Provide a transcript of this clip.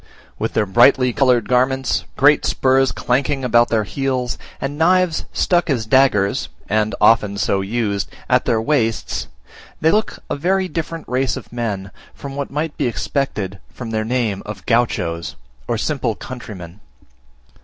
With their brightly coloured garments, great spurs clanking about their heels, and knives stuck as daggers (and often so used) at their waists, they look a very different race of men from what might be expected from their name of Gauchos, or simple countrymen.